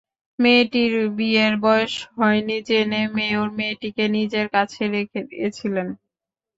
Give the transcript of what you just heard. মেয়েটির বিয়ের বয়স হয়নি জেনে মেয়র মেয়েটিকে নিজের কাছে রেখে দিয়েছিলেন।